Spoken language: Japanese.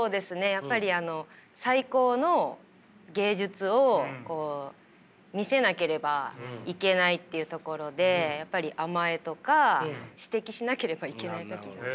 やっぱりあの最高の芸術を見せなければいけないっていうところでやっぱり甘えとか指摘しなければいけない時が。